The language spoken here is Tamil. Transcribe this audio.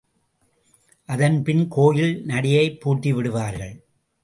அதன் பின் கோயில் நடையைப் பூட்டிவிடுவார்கள்.